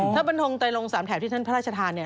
ถ้าเป็นทงไตรลง๓แถบที่ท่านพระราชทาน